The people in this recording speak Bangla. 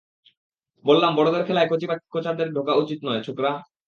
বললাম বড়োদের খেলায় কচি-কাচাদের ঢোকা উচিত নয়, ছোকরা।